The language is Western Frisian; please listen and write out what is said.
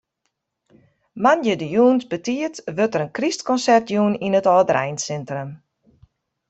Moandei de jûns betiid wurdt der in krystkonsert jûn yn it âldereinsintrum.